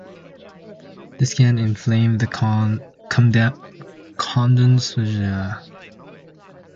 This can inflame the comedones, which then change into the characteristic acne lesions.